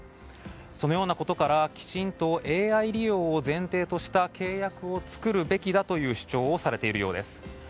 そのようなことからきちんとＡＩ利用を前提とした契約を作るべきだという主張をされているようです。